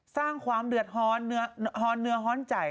สร้างความเดือดร้อนเนื้อฮอนใจ